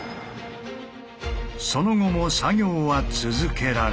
その後も作業は続けられ。